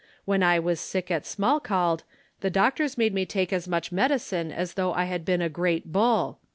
When I was sick at Smalcald, the doctors made me take as much med icine as though I had been a great bull.